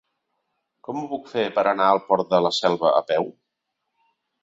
Com ho puc fer per anar al Port de la Selva a peu?